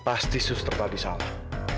pasti suster tadi salah